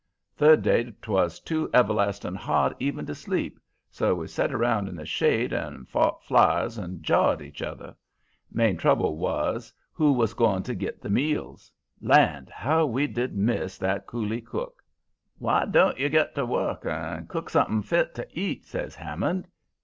Third day 'twas too everlasting hot even to sleep, so we set round in the shade and fought flies and jawed each other. Main trouble was who was goin' to git the meals. Land, how we did miss that Coolie cook! "'W'y don't yer get to work and cook something fit to heat?' says Hammond.